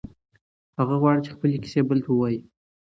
هغه غواړي چې خپلې کیسې بل ته ووایي.